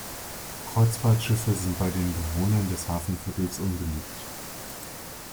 Kreuzfahrtschiffe sind bei den Bewohnern des Hafenviertels unbeliebt.